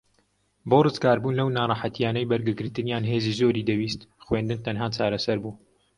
بۆ ڕزگاربوون لەو ناڕەحەتیانەی بەرگەگرتنیان هێزی زۆری دەویست خوێندن تەنھا چارەسەر بوو